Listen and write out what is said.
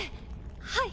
はい。